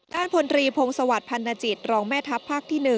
พลตรีพงศวรรคพันธจิตรองแม่ทัพภาคที่๑